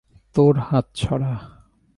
তোর হাত সরা!